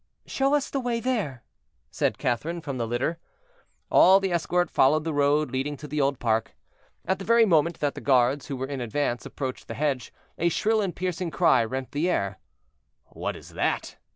"Show us the way there," said Catherine, from the litter. All the escort followed the road leading to the old park. At the very moment that the guards, who were in advance, approached the hedge, a shrill and piercing cry rent the air. "What is that?"